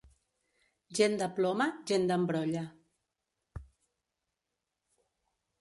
Gent de ploma, gent d'embrolla.